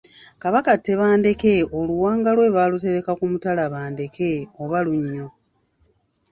Kabaka Tebandeke oluwanga lwe baalutereka ku mutala Bandeke oba Lunnyo.